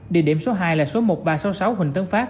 địa điểm số hai là số một nghìn ba trăm sáu mươi sáu huỳnh tân pháp